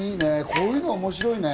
こういうの面白いね。